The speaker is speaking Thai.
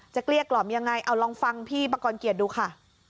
เกลี้ยกล่อมยังไงเอาลองฟังพี่ประกอบเกียรติดูค่ะ